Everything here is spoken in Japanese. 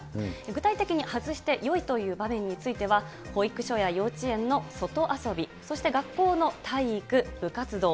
具体的に外してよいという場面については、保育所や幼稚園の外遊び、そして学校の体育、部活動。